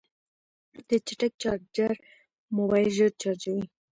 د چټک چارجر موبایل ژر چارجوي.